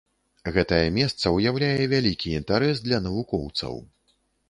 Гэтае месца ўяўляе вялікі інтарэс для навукоўцаў.